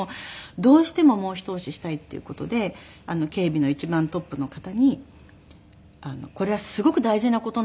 どうしてももう一押ししたいっていう事で警備の一番トップの方に「これはすごく大事な事なんです」。